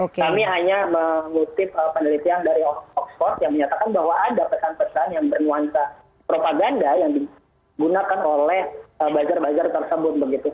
kami hanya mengutip penelitian dari oxford yang menyatakan bahwa ada pesan pesan yang bernuansa propaganda yang digunakan oleh buzzer buzzer tersebut